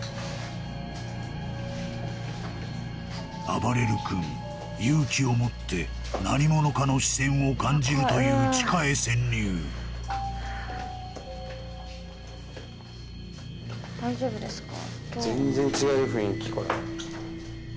あばれる君勇気を持って何者かの視線を感じるという地下へ潜入大丈夫ですか？